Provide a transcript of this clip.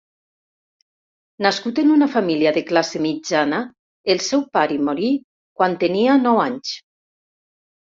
Nascut en una família de classe mitjana, el seu pare morí quan tenia nou anys.